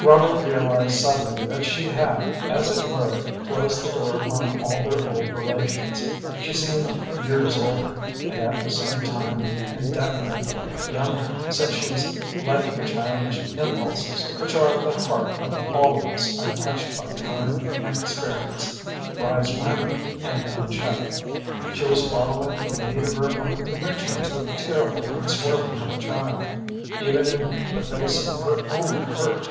Robert realized suddenly that she had, as it were, closed the door upon all their old relations. She seemed years older, and at the same time indefinably younger, since she was letting the childish impulses, which are at the heart of all of us untouched by time and experience, rise rampant and unchecked. She was following the lead of her own convictions with the terrible unswerving of a child, even in the face of her own hurt.